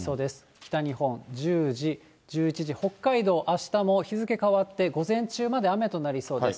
北日本、１０時、１１時、北海道、あしたも日付変わって、午前中まで雨となりそうです。